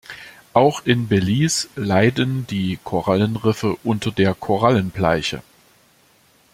Auch in Belize leiden die Korallenriffe unter der Korallenbleiche.